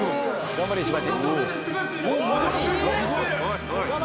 頑張れ石橋！